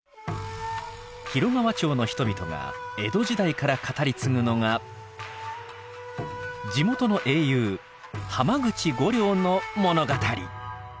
広川町の人々が江戸時代から語り継ぐのが地元の英雄濱口梧陵の物語。